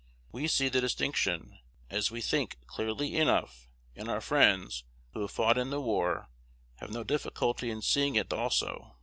We see the distinction, as we think, clearly enough; and our friends, who have fought in the war, have no difficulty in seeing it also.